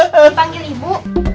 bapak dipanggil ibu